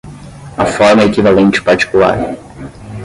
A forma-equivalente particular